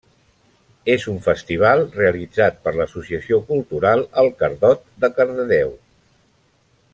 És un festival realitzat per l’Associació Cultural El Cardot de Cardedeu.